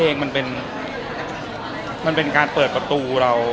เองมันเป็นการเปิดประตูเรา